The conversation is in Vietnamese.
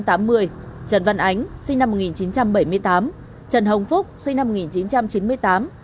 trần văn ánh sinh năm một nghìn chín trăm bảy mươi tám trần hồng phúc sinh năm một nghìn chín trăm chín mươi tám